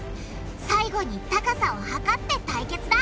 最後に高さを測って対決だ！